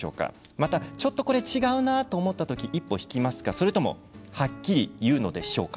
また、ちょっとこれ違うなと思った時、一歩引きますかそれともはっきり言うのでしょうか？